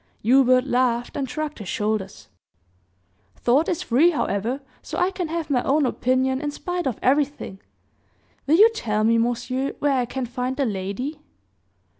Hubert laughed and shrugged his shoulders: "Thought is free, however, so I can have my own opinion in spite of everything. Will you tell me, monsieur, where I can find the lady?"